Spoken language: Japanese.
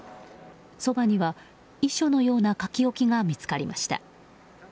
そばには遺書のような書き置きが見つかりました。